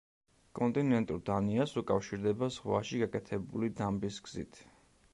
კონტინენტურ დანიას უკავშირდება ზღვაში გაკეთებული დამბის გზით.